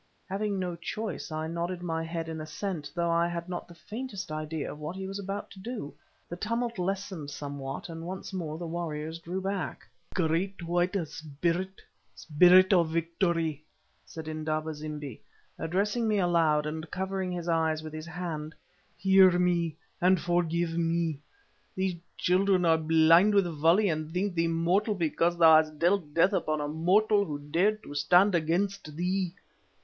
Having no choice I nodded my head in assent, though I had not the faintest idea of what he was about to do. The tumult lessened somewhat, and once more the warriors drew back. "Great White Spirit—Spirit of victory," said Indaba zimbi, addressing me aloud, and covering his eyes with his hand, "hear me and forgive me. These children are blind with folly, and think thee mortal because thou hast dealt death upon a mortal who dared to stand against thee.